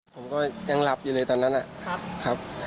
ผมก็ยังหลับอยู่เลยตอนนั้นนะครับ